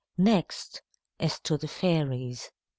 Next, as to the fairies.